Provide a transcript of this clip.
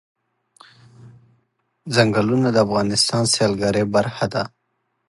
چنګلونه د افغانستان د سیلګرۍ برخه ده.